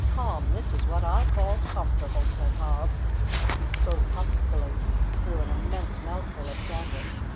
"Come, this is wot I calls comfortable," said Hobbs; (he spoke huskily, through an immense mouthful of sandwich.)